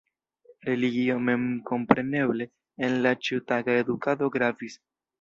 Religio memkompreneble en la ĉiutaga edukado gravis.